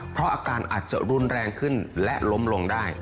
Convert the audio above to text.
เพราะอาการอาจจะรุนแรงขึ้นและล้มลงได้